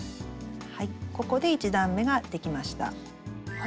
ここで１段めができました。